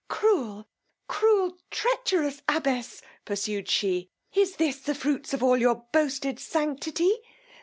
Cruel, cruel, treacherous abbess! pursued she; Is this the fruits of all your boasted sanctity!